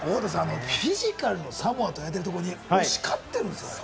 フィジカルのサモアと言われているところに押し勝ってるんですよ。